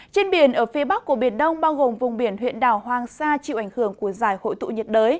trên biển ở phía bắc của biển đông bao gồm vùng biển huyện đảo hoàng sa chịu ảnh hưởng của giải hội tụ nhiệt đới